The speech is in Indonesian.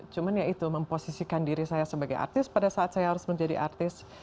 cuma ya itu memposisikan diri saya sebagai artis pada saat saya harus menjadi artis